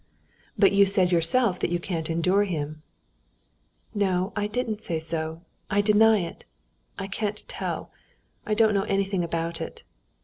"But you said yourself that you can't endure him." "No, I didn't say so. I deny it. I can't tell, I don't know anything about it."